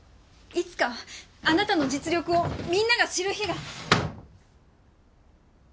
いつかあなたの実力をみんなが知る日が。